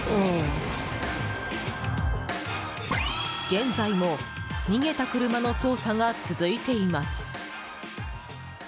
現在も逃げた車の捜査が続いています。